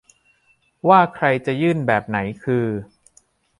ว่าใครจะยื่นแบบไหนคือ